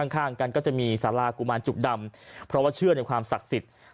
ข้างกันก็จะมีสารากุมารจุกดำเพราะว่าเชื่อในความศักดิ์สิทธิ์